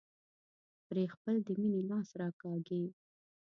پرې خپل د مينې لاس راکاږي.